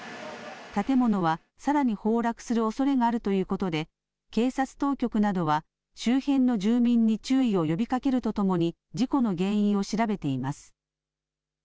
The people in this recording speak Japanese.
建物はさらに崩落するおそれがあるということで、警察当局などは、周辺の住民に注意を呼びかけるとともに、事故の原因を調べています。